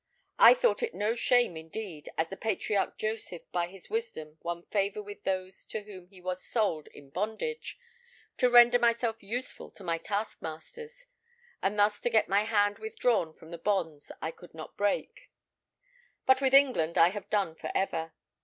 I thought it no shame, indeed, as the patriarch Joseph by his wisdom won favour with those to whom he was sold in bondage, to render myself useful to my taskmasters, and thus to get my hand withdrawn from the bonds I could not break; but with England I have done for ever.